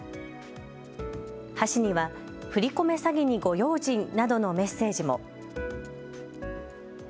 箸には、振り込め詐欺にご用心などのメッセージも。